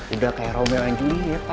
udah kayak romel dan juli ya